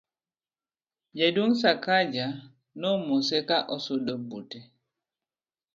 jaduong' Sakaja nomose ka osudo bute